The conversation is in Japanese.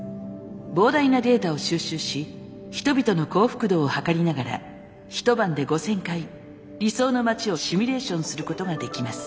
膨大なデータを収集し人々の幸福度をはかりながら一晩で５，０００回理想の街をシミュレーションすることができます。